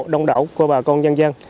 đồng đảo của bà con dân dân